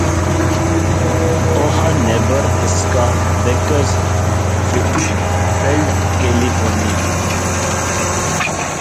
اوہہا Nebraska Bakersfield California